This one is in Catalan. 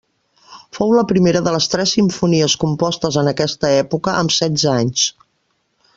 Fou la primera de les tres simfonies compostes en aquesta època, amb setze anys.